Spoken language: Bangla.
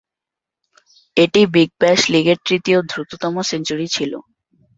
এটি বিগ ব্যাশ লিগের তৃতীয় দ্রুততম সেঞ্চুরি ছিল।